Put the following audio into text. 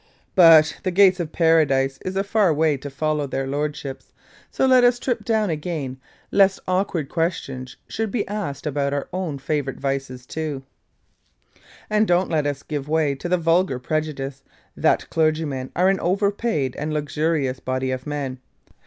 But the gates of Paradise is a far way to follow their Lordships; so let us trip down again lest awkward questions be asked there about our own favourite vices too. And don't let us give way to the vulgar prejudice, that clergymen are an over paid and luxurious body of men.